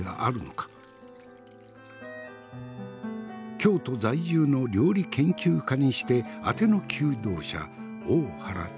京都在住の料理研究家にしてあての求道者大原千鶴。